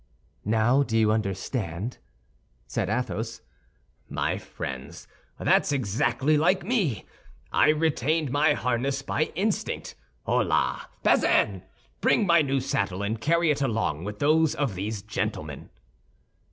"Now do you understand?" said Athos. "My friends, that's exactly like me! I retained my harness by instinct. Holà, Bazin! Bring my new saddle and carry it along with those of these gentlemen."